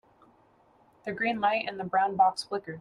The green light in the brown box flickered.